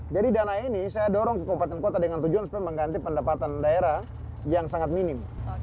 jadi dana ini saya dorong ke kabupaten kota dengan tujuan supaya mengganti pendapatan daerah yang sangat minim